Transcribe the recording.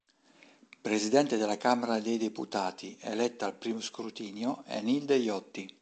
Presidente della Camera dei deputati, eletta al I scrutinio, è Nilde Iotti.